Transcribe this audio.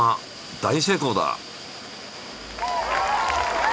大成功だ！